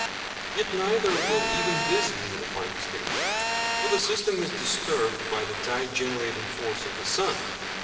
Yet neither will even this be the final stage; for the system is disturbed by the tide generating force of the sun.